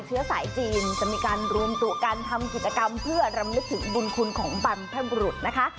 เชื้อสายจีนจะมีการรวมตัวกันทำกิจกรรมเพื่อรำลึกถึงบุญคุณของบรรพบุรุษนะคะ